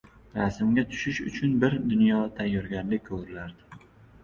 Rasmga tushish uchun bir dunyo tayyorgarlik ko‘rilardi.